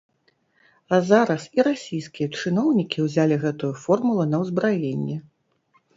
А зараз і расійскія чыноўнікі ўзялі гэтую формулу на ўзбраенне.